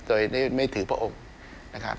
โดยไม่ถือพระองค์นะครับ